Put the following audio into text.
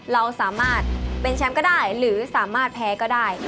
เราสามารถเป็นแชมป์ก็ได้หรือสามารถแพ้ก็ได้